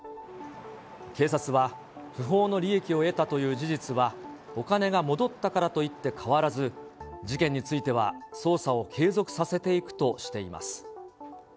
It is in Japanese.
警察は不法の利益を得たという事実は、お金が戻ったからといって変わらず、事件については捜査を継続させていくとしています。